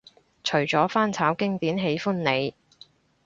除咗翻炒經典喜歡你